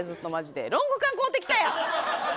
ロング缶買うてきたやん。